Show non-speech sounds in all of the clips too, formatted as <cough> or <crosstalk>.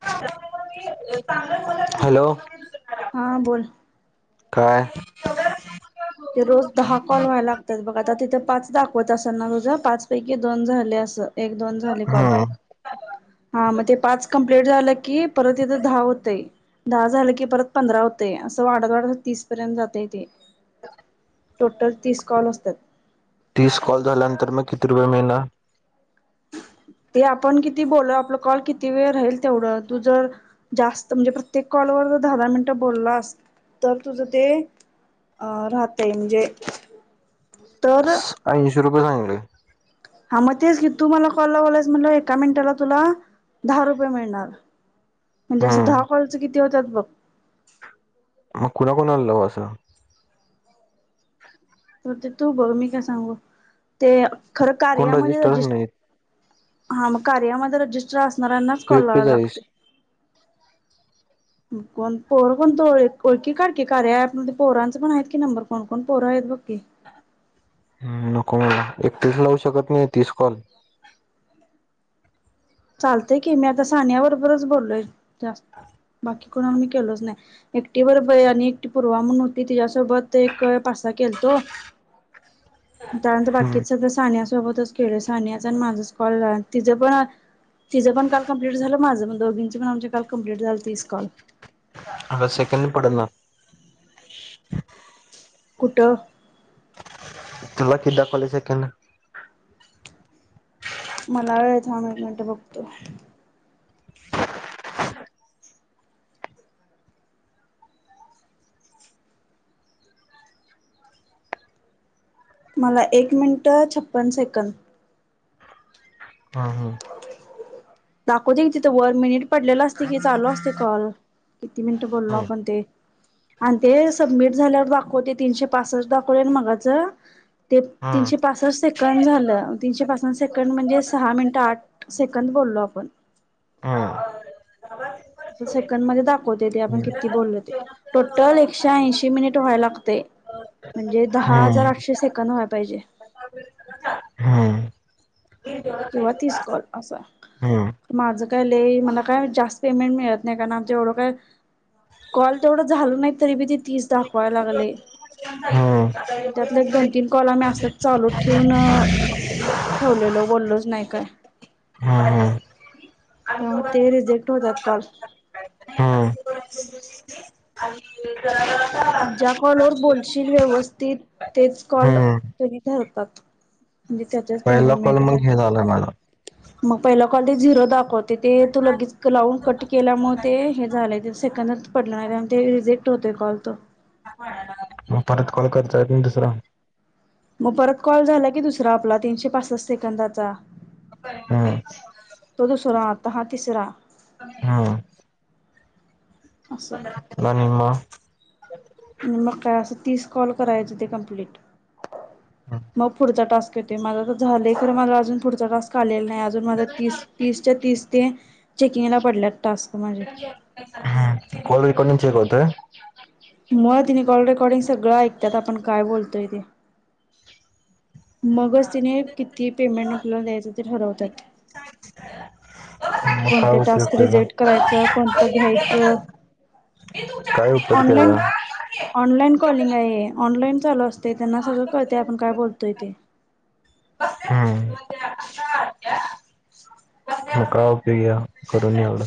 <unintelligible> Hello हा बोल काय? ते रोज दहा कॉल व्हायला लागतात, बघ आता तिथे पाच दाखवत असल ना तुझं पाच पैकी दोन झाले असं. एक दोन झाले कॉल. हम्म हा मग ते पाच कम्प्लीट झालं की, परत इथं दहा होतंय. दहा झालं की परत पंधरा होतेय, असं वाढत वाढत तीस पर्यंत जातय ते. टोटल तीस कॉल असतात. तीस कॉल झाल्यानंतर मग किती रुपये मिळणार. ते आपण किती बोलू आपलं कॉल किती वेळ राहील, तेवढं तू जर जास्त म्हणजे प्रत्येक कॉलवर जर दहा, दहा मिनिटं बोलास तर तुझं ते अं राहते म्हणजे तर ऐंशी रुपये सांगले. हां मग तेच की तू मला कॉल लावल्यास म्हटल्यावर, एका मिनिटाला तुला दहा रुपये मिळणार, म्हणजे असं दहा हम्म कॉलचं किती होतात बघ. मग कुणा कुणाला लावु असं. तर ते तू बघ मी काय सांगू? ते खरं कोण कार्यामध्ये रजिस्टरच रजिस् नाही हा मग कार्यामध्ये रजिस्टर असणाऱ्यांनाच, तू कॉल एकटेच लावायला आहेस लागतोय. कोण पोर कोण तो ओळखी काढ कीे, कार्या अँप मधे पोरांचं पण आहेत की नंबर कोण, कोण पोर आहेत काय बघ की. ह् नको, मला एकटीच लावू शकत नाही तीस कॉल. चालतय की, मी आता सानिया बरोबरच बोललोय जास्त बाकी कोणावर मी केलोच नाही, एकटी बरब बाई आणि एकटी पर्वा म्हणून होती. तिच्यासोबत ते एक पाच सहा केलतो. त्यानंतर बाकी सगळ सानिया सोबतच खेळ सानिया आणि माझाच कॉल झाल तिझं पण तिं पण काल कंप्लीट झालं. माझं पण, दोघींची पण आमच्या काल कंप्लीट झालात तीस कॉल. आग सेकंड पडणार कुठं? ल किधा कॉलेजक ना <inaudible> मला होय, थांब एक मिनिट बघतो. मला एक मिनिटं छप्पन सेकंद हा ह, दाखवते की, तिथं वन मिनिट पडलेलं असते की, चालू असते कॉल. किती मिनटं बोलो हम्म आपण ते. आणं ते सबमिट झाल्यावर दाखवते. तीनशे पासष्ट दाखवले न मगाचं ते तीनशे पासष्ट सेकंड झालं. तीनशे पासन सेकंड म्हणजे सहा मिनि ताठ सेकंद बोललो आपण. ह, ते सेकंड मध्ये दाखवते. ते आपण हम्म किती बोललो ते. टोंटंल एकशे ऐंशी मिनिट व्हाय लागते. म्हणजे दहा हजार हम्म आठशे सेकन व्हाया पाहिजे. हम्म, किंवा तीस कॉल असा. हम्म माझं काय लई मला काय जास्त पेमेंट मिळत नाही. कारण आमच्या एवढं काय कॉल तेवढं झालं नाही. तरी बी ते तीस दाखवायला लागले. हम्म आणि त्यातले दोन तीन कॉल आम्ही असेच चालू ठेवून ठेवलेलो बोललोच नाही काय? हम..., त्यामु ते रिजेक्ट होतात कॉल. <unintelligible> आणि जरा जरा सा ज्या कॉल वर बोलशील व्यवस्थित तेच कॉल त्यानी ठेवतात. म्हणजे त्याच्याच पहिला पेमेंट कॉल मिळते. मग हे झाला <unintelligible> <inaudible> मग पहिला कॉल हे झिरो दाखवते. ते तू लगेच लावून कट केल्यामुळ ते हे झालंय ते सेकंदत पडणार आन ते रिजेक्ट होतय कॉल तो. <unintelligible> कट कॉल करता येते दुसरा मग परत कॉल झाला की, दुसरा आपला तीनशे पासष्ट सेकंदाचा हम्म, तो दुसरा आता हा तिसरा हम, असं पण म मग काय असं तीस कॉल करायचं ते कम्प्लीट. ह, मग पुढचा टास्क येतोय. माझा त झालंय तर मला अजून पुढचा टास्क आलेला नाही. अजून माझा तीस तीसच्या तीस ते चेकिंगला पडल्यात टास्क माझे. ह, कॉलिंग पण चेक होत. मुळ तिने कॉल रेकॉर्डिंग सगळं ऐकतात. आपण काय बोलतोय ते. मगस त्यानी किती पेमेंट आपल्याला द्यायचं ते ठरवतात. मग काय कोणते उपयोग टास्क त्याचा रिजेक्ट करायचं कोणतं घ्यायचं काय उपयोग ऑनलाईन त्याचा? ऑनलाईन कॉलिंग आहे हे. ऑनलाईन चालू असते. त्यांना सगळं कळते. आपण काय बोलतोय ते. हम्म. मग काय उपयोग घ्या करून एवढं.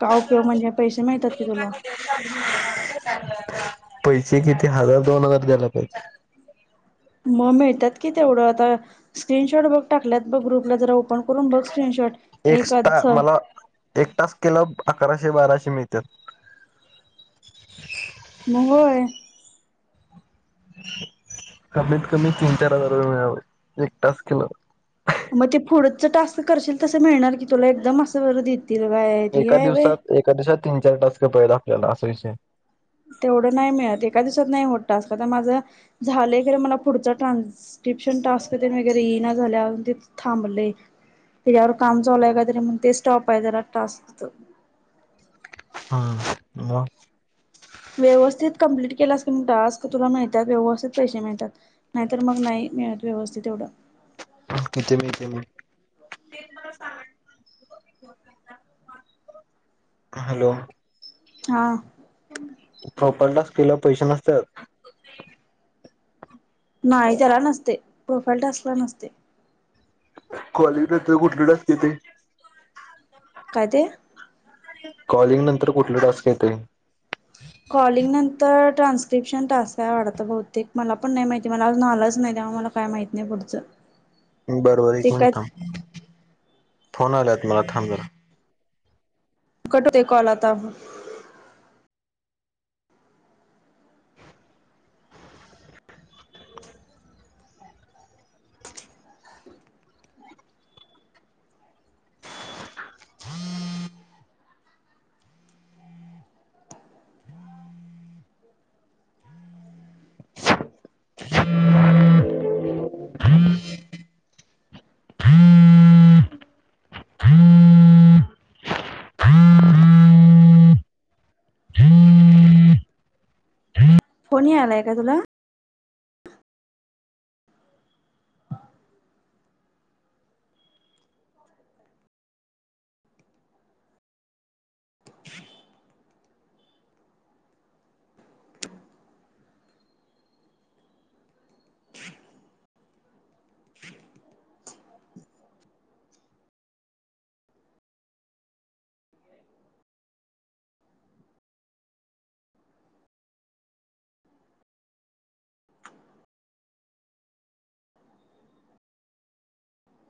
काय उपयोग म्हणजे, पैसे मिळत्यात की तुला. <inaudible> <unintelligible> पैसे किती हजार, दोन हजार द्यायला पाहिजे. मग मिळतात कि तेवढं आता स्क्रीनशॉट बघ टाकल्यात बघ ग्रुपला, जरा ओपन करून बघ स्क्रीनशॉट. एक एकाच टास्क मला एक टास्क केल्यावर, मला अकराशे बाराशे मिळत्यात. मग होय. कमीत कमी तीन चार हजार रुपये मिळाय पाहिजे. एक टास्क केल्यावर. मग ते पुढंच टास्क करशील तसं मिळणार की तुला. एकदम असं बरं देतील. तिथ काय ते हे एका हाय व्हय. दिवसात, एका दिवसात तीन चार टास्क पाहिजे आपल्याला, असा विषय तेवढं नाही मिळत एका दिवसात नाही होत टास्क, आता माझं झालंय खरं माझा पुढच टास्स्क्रिपशन स्क्रीप्शन टास्क तेन वगैरे येई ना झाल्या, अजून ते थांबलय. तिच्यावर काम चालुय काहीतरी म्हण, ते स्टॉप आहे जरा टास्कच. हम्म, मग. व्यवस्थित कंप्लीट केलास कनी टास्क, तुला मिळत्यात व्यवस्थित पैसे मिळत्यात. नाहीतर, मग नाही मिळत व्यवस्थित एवढं. किती मिळतय मग हॅलो. हां. प्रोफाइल टास्कला पैसे नसत्यात. नाही, त्याला नसतय, प्रोफाईल टास्कला नसतय. कॉलिंग नंतर कुठलं टास्क येतय. काय ते. कॉलिंग नंतर कुठला टास्क येतय. कॉलिंग नंतर ट्रान्स्क्रिप्शन टास्क आहे वाटतं बहुतेक. मला पण नाही माहिती, मला अजुन आलंच नाही. त्यामुळ मला काय माहीत नाही पुढचं. बर, बर एक ते मिनिट काय थांब, फोन आल्यात मला. थांब जरा कट होतोय कॉल आता. फोन यालाय काय तुला.